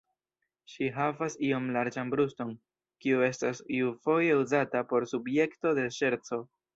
Ŝi havas iom larĝan bruston, kiu estas iufoje uzata por subjekto de ŝerco.